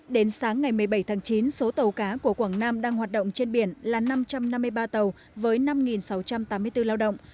đến sáng ngày một mươi bảy tháng chín số tàu cá của quảng nam đang hoạt động trên biển là năm trăm năm mươi ba tàu với năm sáu trăm tám mươi bốn lao động